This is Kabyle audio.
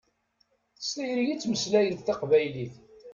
S tayri i ttmeslayent taqbaylit.